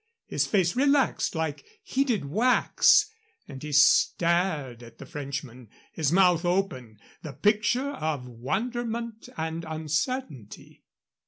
His face relaxed like heated wax, and he stared at the Frenchman, his mouth open, the picture of wonderment and uncertainty.